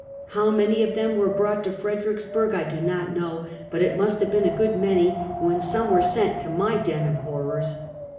How many of them were brought to Fredericksburg I do not know; but it must have been a good many, when some were sent to my den of horrors.